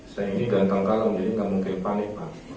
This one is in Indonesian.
saya ini ganteng kalau jadi gak mungkin panik pak